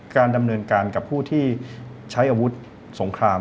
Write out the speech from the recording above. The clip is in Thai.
การดำเนินการกับผู้ที่ใช้อาวุธสงคราม